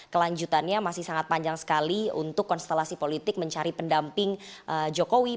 kelanjutannya masih sangat panjang sekali untuk konstelasi politik mencari pendamping jokowi